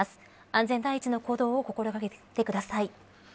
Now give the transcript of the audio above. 安全第一の行動を心掛けてください。